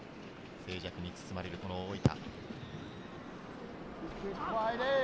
静寂に包まれる大分。